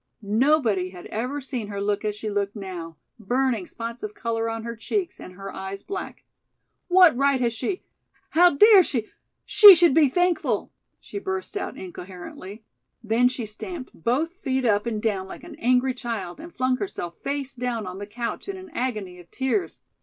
Nobody had ever seen her look as she looked now, burning spots of color on her cheeks and her eyes black. "What right has she how dare she she should be thankful " she burst out incoherently. Then she stamped both feet up and down like an angry child and flung herself face down on the couch in an agony of tears.